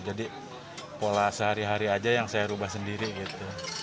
jadi pola sehari hari aja yang saya ubah sendiri gitu